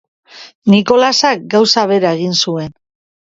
Nicolasak gauza bera egin zuen.